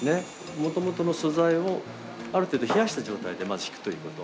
もともとの素材をある程度冷やした状態でまずひくということ。